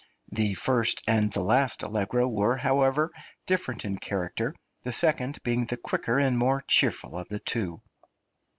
The first and the last allegro were, however, different in character, the second being the quicker and more cheerful of the two.